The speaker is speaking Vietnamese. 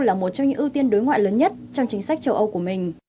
là một trong những ưu tiên đối ngoại lớn nhất trong chính sách châu âu của mình